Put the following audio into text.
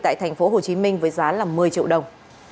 tại thành phố hồ chí minh với giá một mươi triệu đồng